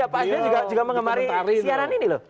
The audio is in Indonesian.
pak s b juga mengemari siaran ini loh